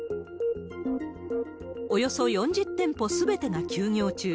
およそ４０店舗すべてが休業中。